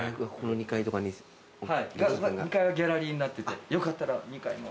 ２階はギャラリーになっててよかったら２階も。